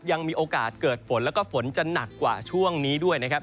ยังมีโอกาสเกิดฝนแล้วก็ฝนจะหนักกว่าช่วงนี้ด้วยนะครับ